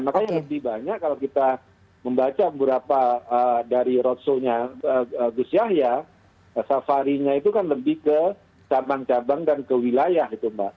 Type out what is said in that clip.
makanya lebih banyak kalau kita membaca beberapa dari roadshow nya gus yahya safarinya itu kan lebih ke cabang cabang dan ke wilayah gitu mbak